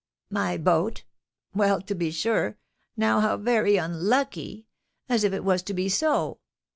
"My boat? Well to be sure! Now, how very unlucky! As if it was to be so.